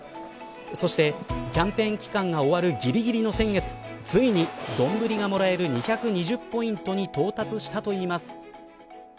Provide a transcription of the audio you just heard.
そしてキャンペーン期間が終わるぎりぎりの先月ついにどんぶりがもらえる２２０ポイントに到達したといいます。